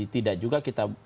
tidak juga kita